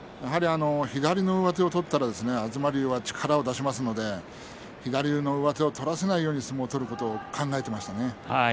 左の上手を取ったら相撲は力を出しますので左の上手を取らせないように相撲を取ることを考えていましたね。